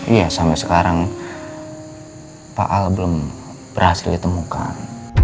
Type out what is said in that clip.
iya sampai sekarang pak al belum berhasil ditemukan